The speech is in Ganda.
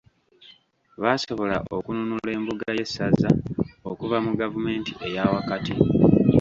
Baasobola okununula embuga y’essaza okuva mu gavumenti eya wakati